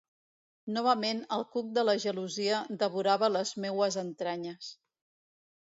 Novament el cuc de la gelosia devorava les meues entranyes.